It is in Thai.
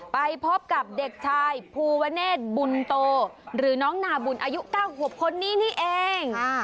ไปพบกับเด็กชายภูวะเนธบุญโตหรือน้องนาบุญอายุ๙ขวบคนนี้นี่เอง